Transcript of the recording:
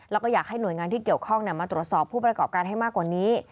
แล้วก็อยากให้หน่วยงานที่เกี่ยวข้องมาตรวจสอบผู้ประกอบการให้มากกว่านี้